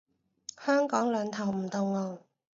香港兩頭唔到岸